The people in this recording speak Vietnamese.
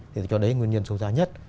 thì cho đến nguyên nhân số giá nhất